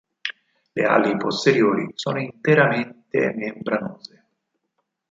Le ali posteriori sono interamente membranose.